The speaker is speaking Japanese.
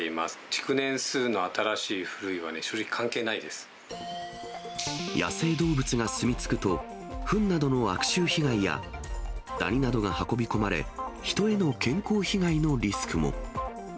築年数の新しい、古いはね、野生動物が住み着くと、ふんなどの悪臭被害や、ダニなどが運び込まれ、人への健康被害のリスクも。